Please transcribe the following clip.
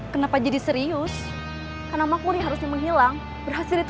kenapa jadi rumit